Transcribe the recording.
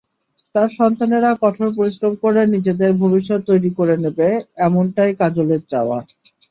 তার সন্তানেরা কঠোর পরিশ্রম করে নিজেদের ভবিষ্যৎ তৈরি করে নেবে—এমনটাই কাজলের চাওয়া।